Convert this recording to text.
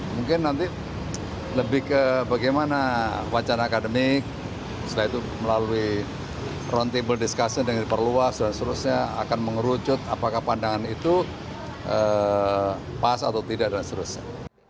mungkin nanti lebih ke bagaimana wacana akademik setelah itu melalui roundtable discussion yang diperluas dan seterusnya akan mengerucut apakah pandangan itu pas atau tidak dan seterusnya